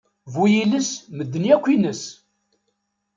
Bu-yiles medden yakk ines!